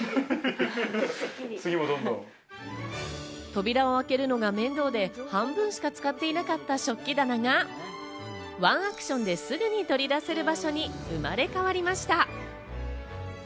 扉を開けるのが面倒で半分しか使っていなかった食器棚が、ワンアクションですぐに取り出せる場所に生まれ変わりました。